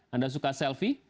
anda suka selfie